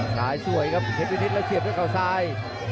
สวยครับเพชรวินิตแล้วเสียบด้วยเขาซ้าย